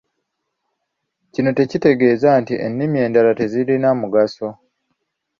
Kino tekitegeeza nti ennimi endala tezirina mugaso.